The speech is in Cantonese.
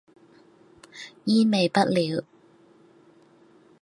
煙味不了